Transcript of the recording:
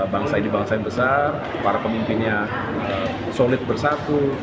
bangsa ini bangsa yang besar para pemimpinnya solid bersatu